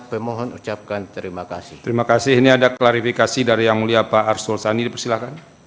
saya mohon ucapkan terima kasih